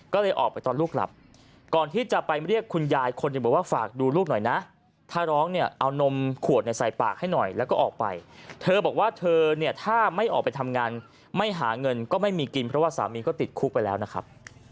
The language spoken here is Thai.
ก็เลยออกไปตอนลูกหลับก่อนที่จะไปเรียกคุณยายคนหนึ่งบอกว่าฝากดูลูกหน่อยนะถ้าร้องเนี่ยเอานมขวดเนี่ยใส่ปากให้หน่อยแล้วก็ออกไปเธอบอกว่าเธอเนี่ยถ้าไม่ออกไปทำงานไม่หาเงินก็ไม่มีกินเพราะว่าสามีก็ติดคุกไปแล้วนะครับ